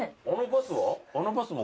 あのバスは？